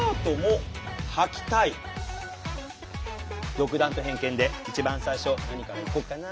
独断と偏見で一番最初何からいこうかな。